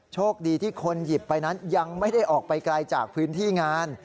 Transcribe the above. โชคดีที่คนหยิบไปนั้นยังไม่ได้ออกไปไกลจากพื้นที่งาน